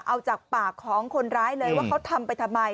เอาจากปากของคนร้ายเลยว่าเขาทำไปทำไม